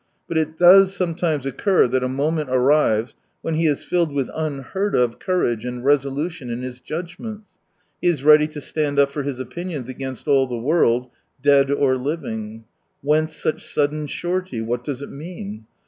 But it does sometimes occur that a moment arrives when he is filled with unheard of courage and resolution in his judgments. He is ready to stand up for his opinions against all the world, dead or living. Whence such sudden surety, what does it mean?